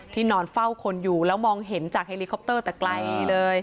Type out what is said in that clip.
นอนเฝ้าคนอยู่แล้วมองเห็นจากเฮลิคอปเตอร์แต่ไกลเลย